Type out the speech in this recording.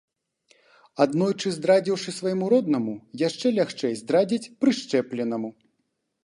Аднойчы здрадзіўшы свайму роднаму, яшчэ лягчэй здрадзіць прышчэпленаму.